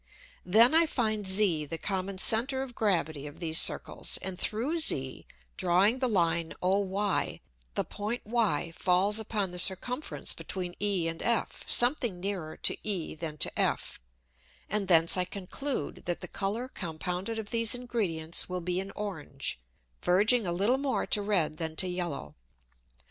Then I find Z the common center of gravity of these Circles, and through Z drawing the Line OY, the Point Y falls upon the circumference between E and F, something nearer to E than to F, and thence I conclude, that the Colour compounded of these Ingredients will be an orange, verging a little more to red than to yellow.